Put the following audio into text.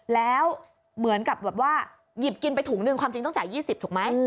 แล้วเหมือนกับแบบว่าหยิบกินไปถุงนึงความจริงต้องจ่าย๒๐ถูกไหม